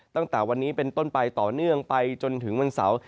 ตั้งแต่วันนี้เป็นต้นไปต่อเนื่องไปจนถึงวันเสาร์